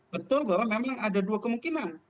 betul bahwa memang ada dua kemungkinan